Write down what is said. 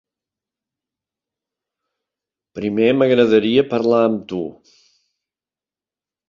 Primer m'agradaria parlar amb tu.